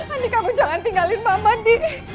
andi kamu jangan tinggalin mama di